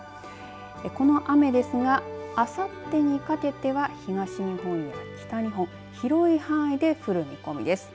この雨ですがあさってにかけては東日本や北日本広い範囲で降る見込みです。